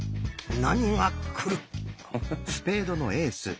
何が来る？